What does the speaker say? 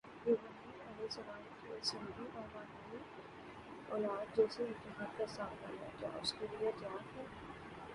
ابراہیمؑ کی صلبی اور معنوی اولاد، جسے امتحان کا سامنا ہے، کیا اس کے لیے تیار ہے؟